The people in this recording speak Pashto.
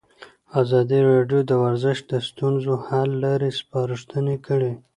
ازادي راډیو د ورزش د ستونزو حل لارې سپارښتنې کړي.